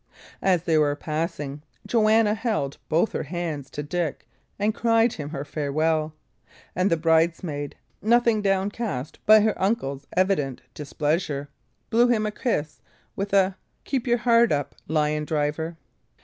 As they were passing, Joanna held both her hands to Dick and cried him her farewell; and the bridesmaid, nothing downcast by her uncle's evident displeasure, blew him a kiss, with a "Keep your heart up, lion driver!"